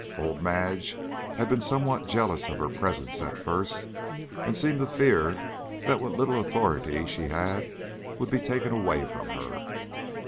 Old Madge had been somewhat jealous of her presence at first, and seemed to fear that what little authority she had would be taken away from her.